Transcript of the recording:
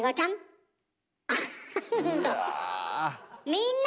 みんな！